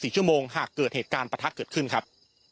๔ชั่วโมงหากเกิดเหตุการณ์ประทัดเกิดขึ้นครับ